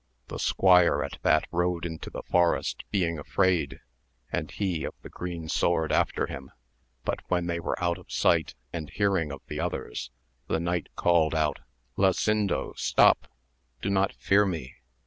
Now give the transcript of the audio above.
The squire at that rode into the forest being afraid, and he of the green sword after him, but when they were out of sight, and hearing of the others, the knight called out, Lasindo, stop !— do not fear me